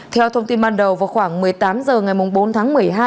theo thông tin ban đầu vào khoảng một mươi tám h ngày bốn tháng một mươi hai